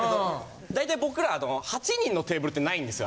大体僕ら８人のテーブルってないんですよ。